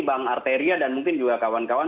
bang arteria dan mungkin juga kawan kawan